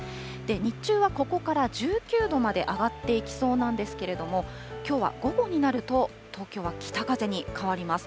日中はここから１９度まで上がっていきそうなんですけれども、きょうは午後になると、東京は北風に変わります。